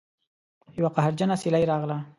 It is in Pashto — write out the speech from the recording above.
یوه قهرجنه سیلۍ راغله